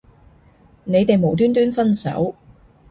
你哋無端端分手